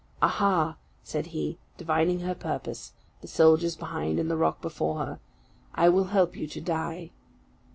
"Aha!" said he, divining her purpose the soldiers behind and the rock before her "I will help you to die!"